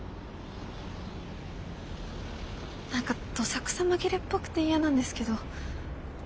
何かどさくさ紛れっぽくて嫌なんですけど。